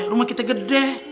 rumah kita gede